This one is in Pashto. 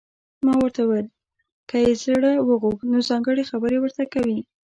ما ورته وویل: که یې زړه وغوښت، نو ځانګړي خبرې ورته کوي.